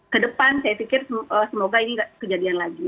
ke depan saya pikir semoga ini tidak kejadian lagi